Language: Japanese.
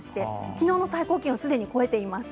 きのうの最高気温をすでに超えています。